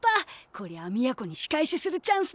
こりゃあ美弥子に仕返しするチャンスだ。